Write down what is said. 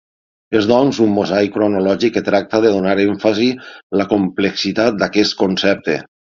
És doncs un mosaic cronològic que tracta de donar èmfasi la complexitat d'aquest concepte.